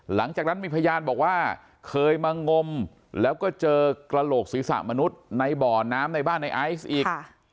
หลังจากนั้นมีพยานบอกว่าเคยมางมแล้วก็เจอกระโหลกศีรษะมนุษย์ในบ่อน้ำในบ้านในไอซ์อีก